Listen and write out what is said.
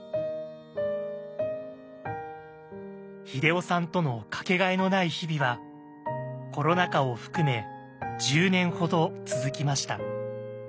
英夫さんとの掛けがえのない日々はコロナ禍を含め１０年ほど続きました。